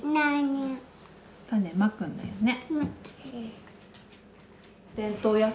種まくんだよね。